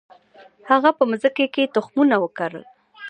هغه په مځکي کي تخمونه وکرل.